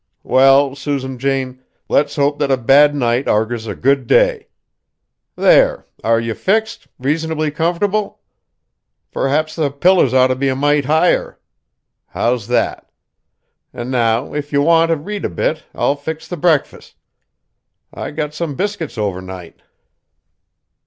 "Well, Susan Jane, let's hope that a bad night argers a good day. There! are ye fixed, reasonably comfortable? P'r'aps the pillers ought' be a mite higher. How's that? An' now, if you want t' read a bit I'll fix the brekfus. I sot some biscuits overnight."